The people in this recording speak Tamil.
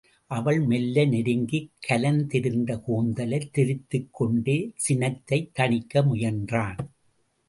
அவளை மெல்ல நெருங்கிக் கலைந்திருந்த கூந்தலைத் திருத்திக் கொண்டே சினத்தைத் தணிக்க முயன்றான்.